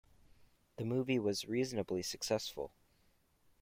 The movie was reasonably successful.